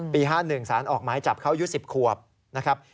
๕๑สารออกหมายจับเขาอายุ๑๐ขวบนะครับ